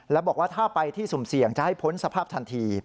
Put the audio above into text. แล้วบอกว่าถ้าไปที่สุ่มเสี่ยงจะให้พ้นสภาพทันที